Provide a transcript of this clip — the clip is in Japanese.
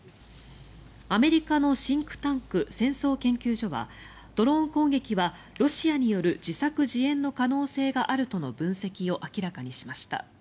アメリカのシンクタンク戦争研究所はドローン攻撃はロシアによる自作自演の可能性があるとの分析を明らかにしました。